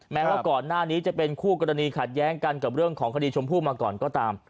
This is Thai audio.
แม้ว่าก่อนหน้านี้จะเป็นคู่กรณีขัดแย้งกันกับเรื่องของคดีชมพู่มาก่อนก็ตาม